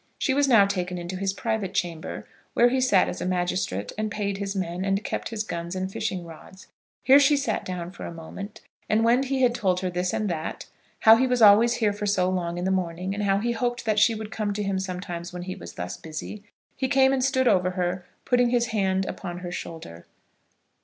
She was now taken into his private chamber, where he sat as a magistrate, and paid his men, and kept his guns and fishing rods. Here she sat down for a moment, and when he had told her this and that, how he was always here for so long in the morning, and how he hoped that she would come to him sometimes when he was thus busy, he came and stood over her, putting his hand upon her shoulder.